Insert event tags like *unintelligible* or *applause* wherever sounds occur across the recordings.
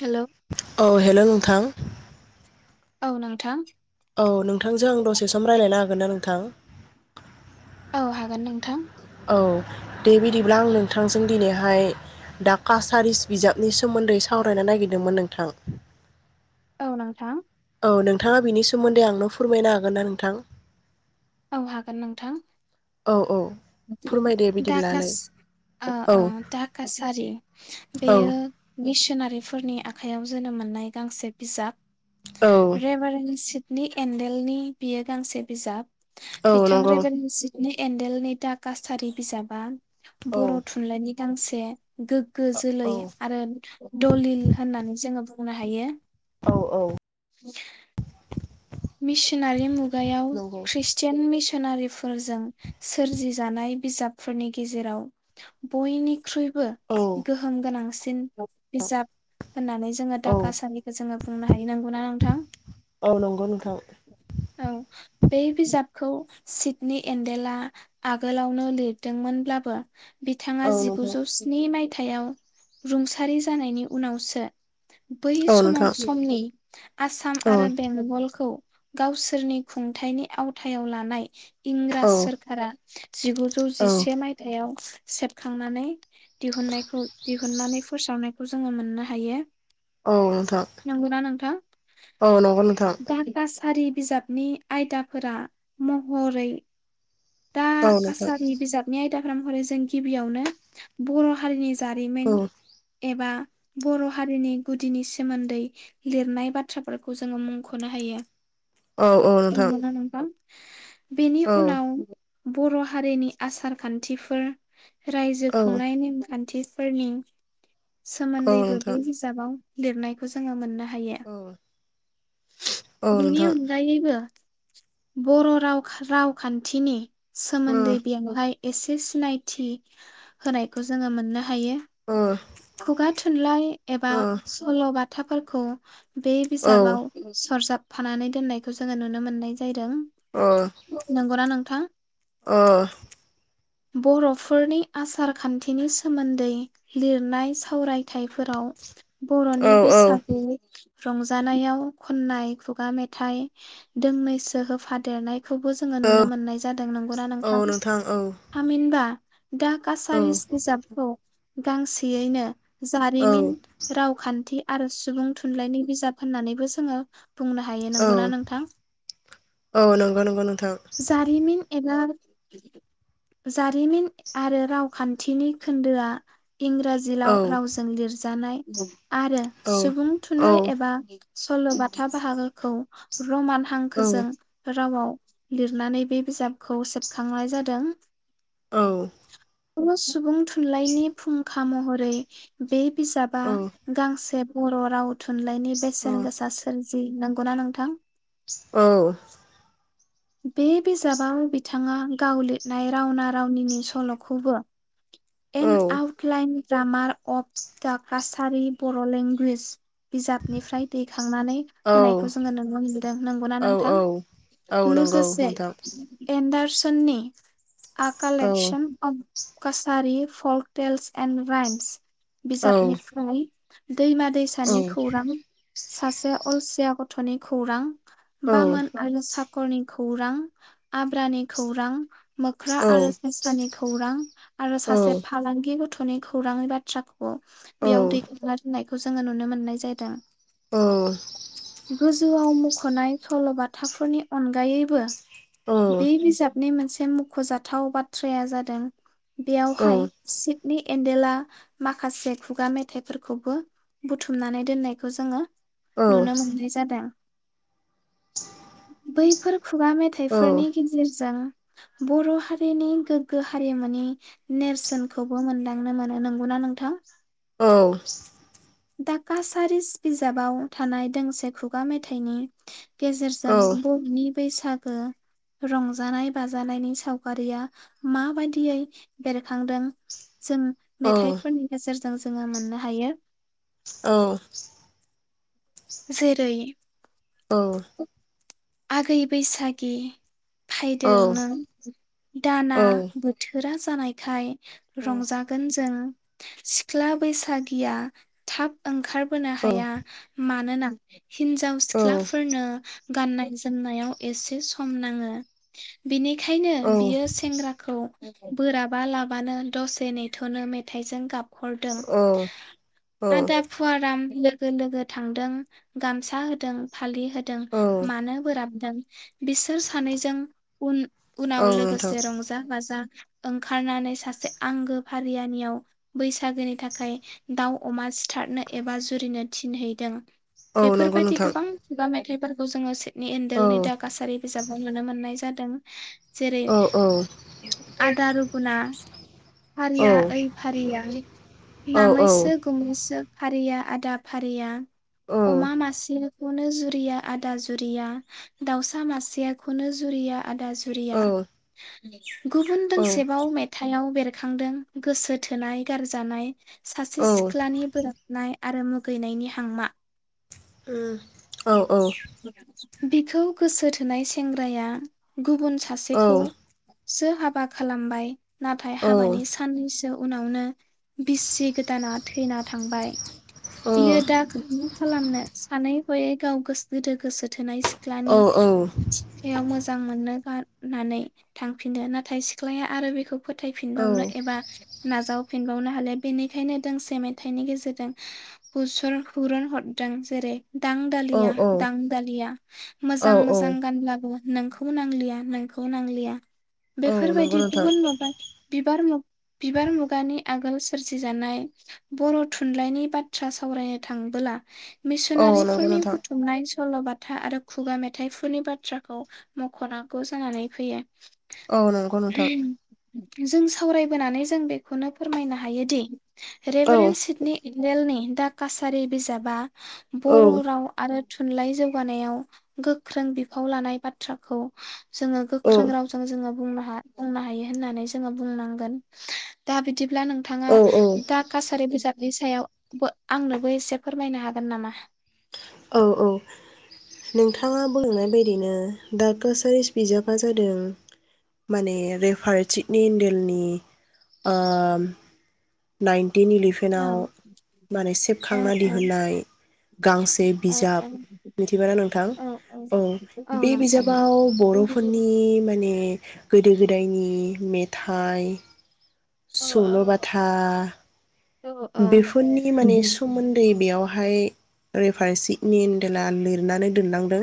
Hello औ hello नोंथां। औ नोंथां। औ नोंथांजों आं दसे सम रायज्लायनो हागोन ना नोंथां? औ हागोन नोंथां। औ दे बिदिब्ला आं नोंथांजों दिनैहाय दा कासारिस' बिजाबनि सोमोन्दै सावरायनो नागिरदोंमोन नोंथां। औ नोंथां। औ नोंथाङा बिनि सोमोन्दै आंनो फोरमायनो हागोन ना नोंथां? औ हागोन नोंथां। औ औ फोरमायदो दा कास बिदिब्लालाय आ औ आ दा कासारि औ बेयो गिस थिसोनारिफोरनि आखाइयाव जोनोम मोन्नाय गांसे औ बिजाब। रेबार नि सिथ नि एन्डेलनि बियो गांसे बिजाब। औ बिथां नंगौ रेबारनि सिद नि एनडेलनि था कासारि बिजाबा औ बर' थुनलाइनि गांसे गोग्गो जोलै औ आरो दलिल होननानै जोङो बुंनो हायो। औ औ *inaudible* मिसिनारि मुग गायाव नंगौ खृस्टियान मिस सोनारिफोरजों सोरजि जानाय बिजाबफोरनि गेजेराव बयनि ख्रुयबो औ गोहोम गोनां सि सिन बिजाब होननानै जोङो औ दाका सारिखो जोङो बुंनो हायो नंगौना नोंथां? औ नंगौ नोंथां औ बे बिजाब खौ सिटनि एन्देला आगोलावनो लिरदोंमोनब्लाबो बिथाङा औ नोंथां जिगुजौ स्नि माय थाइयाव रुंसारि जानायनि उनावसो बै औ नोंथां समाव समनि आसाम औ आरो बेंगल खौ गावसोरनि खुंथायनि आवथायाव लानाय इंराज औ सोरखारा जिगुजौ औ जिसे मायथाइआव सेबखांनानै दिहुननायखौ दिहुननानै फोसावनायखौ जोङो मोननो हायो। औ नोंथां नंगौना नोंथां? औ नंगौ नोंथां। दा कासारि बिजाबनि आयदाफोरा महरै दा औ नोंथां कासारि बिजाबनि आयदा *unintelligible* जों गिबियावनो बर हारिनि औ जारिमिन एबा बर' हारिनि गुदिनि सोमोन्दै लिरनाय बाथ्राफोरखौ जोङो मुं खनो हायो। औ औ नोंथां। बेनि औ उनाव बर' हारिनि आसार खान्थिफोर रायजो औ खुंनाय नेमखान्थि फोरनि औ सोमोन्दैबो बे नोंथां बिजाबाव लिरनायखौ जोङो मोननो हायो। औ औ बिनि नोंथां अनगायैबो बर' रावखा रावखान्थिनि ओ सोमोन्दै बेवहाय एसे सिनायथि होनायखौ जोङो मोननो हायो ओ खुगा थुन्लाइ एबा सल' बा थाफोरखौ बे ओ औ ओ बिजाबाव सरजाबफानानै दोननायखौ जोङो नुनो मोननाय जायदों नोंगौ ना नों थां औ बर'फोरनि आसारखान्थिनि सोमोन्दै लिरनाय सावरायथाइफोराव औ बर'नि बैसागु रंजानायाव खननाय खुगा मेथाइ दोंनैसो होफादेरनाय खौबो जोङो औ नुनो मोननाय जादों नोंगौना औ नोंथां? औ थामहिनबा दा औ कासारिस बिजाबखौ गांसेयैनो औ जारिमिन रावखान्थि आरो सुबुं थुनलाइनि बिजाब होननानैबो जोङो बुंनो हायो औ, नंगौना नोंथां? औ नोंगौ नोंगौ नोंथां। जारिमिन एबा जारिमिन आरो रावखान्थिनि खोन्दोआ औ इंराजिलाव रावजों लिरजानाय आरो औ सुबुं औ थुनलाइ एबा सल'बाथा बाहागोखौ रमान औ हांखोजों रावाव लिरनानै बे बिजाबखौ सेबखांनाय जादों। औ। *unintelligible* सुबुं थुनलाइनि फुं खा महरै बे बिजाबा गांसे बर' राव थुनलाइनि बेसेन औ सेन गोसा सोर जि नंगौना नोंथां? औ। बे बिजाबाव बिथाङा गाव लिरनाय रावना रावनिनि सल'खौबो an outline grammar of the Kachari Bodo language बिजाबनिफ्राय दैखांनानै होनायखौ जोङो नुनो मोनदों नंगौना नोंथां? नंगौ लोगोसे नोंथां औ एन्डारस सननि आ औ collection of कासारि folk tales and rhymes बिजाबनिफ्राय दैमा दैसानि औ खौरां सासे अलसिया थ'नि खौरां बामान आरो सा नखरनि खौरां आब्रानि खौरां। मोख्रा आरो सेस्रानि खौरां आरो सासे औ फालांगि थ'नि खौरां बाथ्रा बेयाव *unintelligible* खौ जोङो नुनो मोननाय जादों। ओ। गोजौआव मुख'नाय सल'बाथाफोरनि अनगायैबो औ औ बे बिजाबनि मोनसे एसे मुख'जाथाव बाथ्राया जादों बेयावहाय सिटनि एन्देला माखासे खुगा मेथाइफोरखौबो बुथुमनानै दोननायखौ जोङो नुनो मोननाय जादों। *inaudible* बैफोर खुगा मेथाइफोरनि गेजेरजों। बर' हारिनि गोग्गो हारिमुनि नेरसोनखौबो मोनदांनो मोनो नंगौना नोंथां? औ। दा कासारिस बिजाबाव थानाय दोंसे खुगा मेथाइनि गेज *unintelligible* बैसागो रंजानाय बाजानायनि सावगारिया माबायदियै बेरखांदों? जों मेथाइफोरनि गेजेर जों जोङो मोननो हायो। औ। जेरै औ। आगै बैसागि फैदों नों दाना बोथोरा जानायखाय रंजागोन जों। सिख्ला बैसागिया थाब ओंखार बोनो हाया मात *unintelligible* हिनजाव सिख्लाफोरनो गाननाय जोमनायाव एसे सम नाङो बिनि खायनो बियो सेंग्राखौ बोराबा लाबानो दसे नेथ'नो मेथाइजों गाब हरदों ओदा फुवाराम लो लोगो लोगो थांदों गामसा होदों। फालि होदों मानो साबदाम *inaudible* बिसोर सानैजों उन उनाव नोंथां लोगोसे रंजा बाजा ओंखारनानै सासे आंगो फारियानियाव, बैसागोनि थाखाय दाउ अमा सिथारनो एबा जुरिनो थिनहैदों। औ नंगौ बेफोरबायदि नोंथां गोबां खुगा मेथाइ जोङो नि औ एण्डेलनि दा कासारि बिजाबाव नुनो मोननाय जादों। दां *inaudible* जेरै औ औ आदारु उना औ फारिया ओइ फारिया औ औ औ नामैसो गुमैसो। फारिया आदा फारिया औ अमा मासे अनो जुरिया आदा जुर दाउसा मासेयाखौनो जुरिया आदा जुरिया द *inaudible* गुबुन औ औ दोंसेबाव मेथाइयाव बेरखांदों गोसो थोनाय गारजानाय। सासे सिख्लानि बोराबनाय। आरो मुगैनायनि हांमा। उम औ औ बिखौ गोसो थोनाय सेंग्राया गुबुन सासेखौ सो हाबा खालामबाय। नाथाय हाबानि साननैसो उनावनो बिसि गोदाना थैना थांबाय बियो दा मा खालामनो सानै हयै गाव गोस गोदो गोसो थोनाय सि सिख्लानि सिखायाव मोजां मोननो गा नानै थांफिदनो नाथाय सिख्लाया आरो बेखौ फोथायफिनबावनो एबा नाजाव फिनबावनो हालिया बेनिखायनो दोंसे मेथाइनि गेजेरजों बुसरन खुरुन हरदों जेरै दां दालिया दां दालिया औ मोजां औ मोजां गानब्लाबो नोंखौ नांलिया नोंखौ नांलिया औ नंगौ बेफोरबायदि नोंथां गुबुन माबा बिब बिबार मु बिबार मुगानि आगोल सोरजिजानाय बर' थुनलाइनि बाथ्रा सावरायनो थांबोला औ नंगौ मिसनारिफोरनि नोंथां बुथ सल'बाथा आरो खुगा मेथाइफोरनि बाथ्राखौ मख'नांगौ जानानै फैयो औ नंगौ नोंथां। जों सावरायबोनानै जों बेखौनो फोरमायनो हायोदि औ रेभेन सिडनि इडनेलनि दा कासारि बिजाबा औ बर' राव थुनलाइ जौगानायाव गोख्रों बिफाव लानाय बाथ्राखौ जोङो गोख्रों औ रावजों जोङो बुंनो हा दा बुंनो हायो होननानै बुंनांगोन दा बिद बिदिब्ला नोंथाङा औ औ दा कासारि बिजाब नि सायाव बो आंनोबो एसे फोरमायनो हागोन नामा औ औ नोंथाङा बुंनाय बायदिनो दा कासारिस बिजाबा जादों माने रेफार चिटनि एडेलनि ओम नाइन दिन इलिफेनाव ओं माने ओ सेबखांना दिहुननाय गांसे ओ बिजाब ओ मिथिबाना नोंथां ओ औ औ बे नोंथां। बिजाबाव बर'फोरनि माने गोदो गोद दैनि मेथाइ औ सल' बाथा औ बेफोरनि माने सोमोन्दै बेयाव बेवहाय रेफारि सिटनि एन्देला लिरनानै दोनलांदों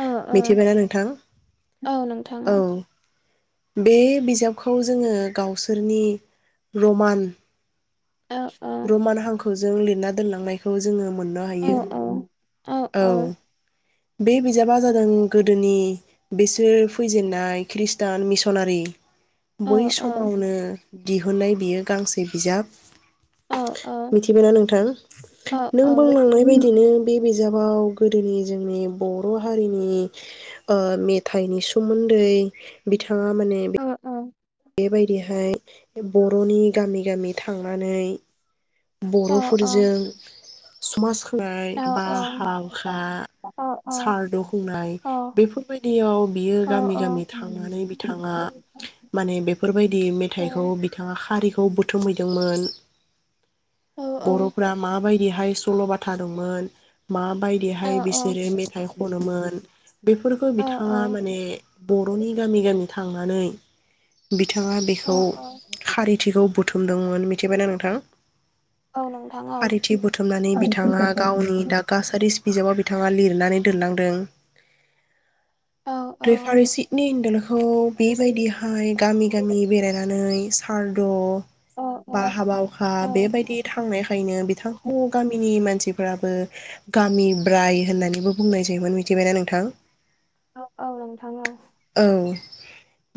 औ मिथिबायना नोंथां औ नोंथां औ। बे बिजाबखौ जोङो गावसोरनि रमान औ औ रमान हांखो जों लिरना दोनलांनायखौ जोङो मोननो औ हायो। औ औ। बे बिजाबा जादों गोदोनि बेसोर फैजेननाय ख्रिष्टान मिसनारि औ बै औ समावनो दिहुननाय बियो गांसे बिजाब। औ मिथिबायना नोंथां औ नों बुंलांनाय बायदिनो बे बिजाब बाव गोदोनि जोंनि बर' हारिनि ओ मेथाइनि सोमोन्दै बिथां ङा माने बे औ औ बेबायदि फ्राय बे बर'नि गामि गामि थांनानै बर'फोरजों समाज फ्राय बा हावखा सारदु खुंनाय बेफोरबायदियाव बियो गामि गामि थांनानै बिथाङा माने बेफोरबायदि मेथाइखौ बिथाङा खारि खौ बुथुमहैदोंमोन। बर'फ्रा माबाय दिहाय सल' बाथा दंमोन मा बायदिहाय बिसोरो मेथाइ खनोमोन बेफोरखौ औ बिथाङा माने बर'नि गामि गामि थांनानै बिथाङा औ बेखौ खारिथिखौ बु थुमदोंमोन मिथिबायना नोंथां। नोंथां औ फारिथि बुथुमनानै बिथाङा गावनि दा कासारिस बिजाबाव बिथाङा लिरनानै दोनलांदों। औ औ रेभा रिसिदनि एन्देल खौ बे जायगाहाय गामि गामि बेरायनानै सार द' औ बा हाबा हुखा औ बेबायदि थांनायखायनो बिथांखौ गामिनि मानसि फ्राबो गामि ब्राय होननानैबो बुंनाय जायोमोन मिथिबायना नोंथां। औ औ नोंथां औ। औ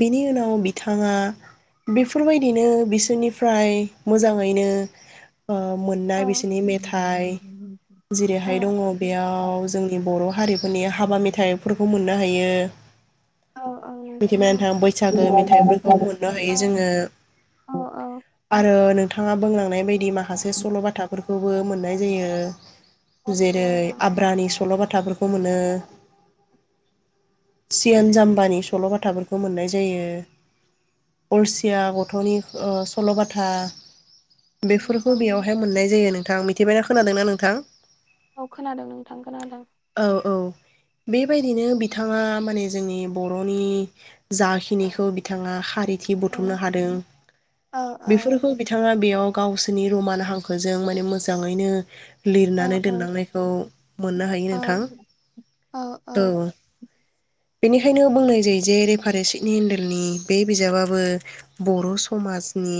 बिनि उनाव बि बिथाङा बेफोरबायदिनो बिसोरनिफ्राय मोजाङैनो ओ औ मोननाय बिसोरनि मेथाइ औ जेरैहाय दङ बेयाव जोंनि बर' हारि जोंनि हाबा मेथाइफोरखौ मोननो हायो। औ औ नोंथां औ फोरखौ मोननो हायो जोङो औ आरो नोंथाङा बुंलांनाय बायदि माखासे सल' बाथाफोर खौबो मोननाय जायो नंगौ जेरै नोंथां आब्रानि सल'बा थाफोरखौ मोनो सियान जाम्बानि सल'बाथाफोरखौ मोननाय जायो। अलसिया गथ'नि ओ सल'बाथा बेफोरखौ नोंथां बेयावहाय मोननाय जायो नों थां मिथिबायना खोनादों ना नोंथां? औ खोनादों नोंथां खोनादों। औ औ बेबायदिनो बिथाङा माने जोंनि बर'नि जाखिनिखौ बि थाङा खारि थि औ बुथुमनो हादों औ बेफोरखौ बिथाङा बेयाव गावसोरनि रमान हां फोरजों माने मोजाङैनो औ लिरनानै औ दोनलांनायखौ मोननो हायो औ नोंथां औ। बेनिखायनो बुंनाय जायो जे रेफारेन्ड सिटनि एन्देलनि बे बिजाबाबो बर' समाजनि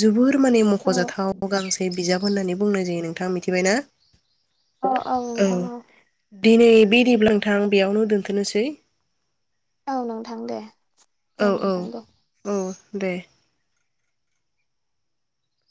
जोबोद माने औ मख'जाथाव गांसे बिजाब होननानै बुंनाय जायो नोंथाङा मिथिबाय ना? ओ औ नोंथां औ। दिनै बिदिब्ला नोंथां बेयावनो दोनथ'नोसै औ नोंथां दे दे औ औ नोंथां दे औ दे